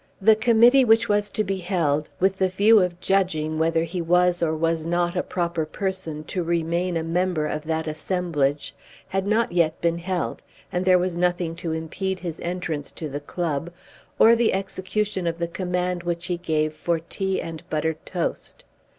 The committee which was to be held with the view of judging whether he was or was not a proper person to remain a member of that assemblage had not yet been held, and there was nothing to impede his entrance to the club, or the execution of the command which he gave for tea and buttered toast.